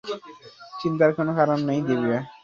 চিন্তার কোনো কারণ নেই, দিবিয়া।